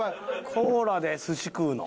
コーラで寿司食うの？